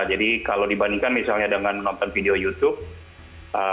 jadi kalau dibandingkan misalnya dengan menonton video youtube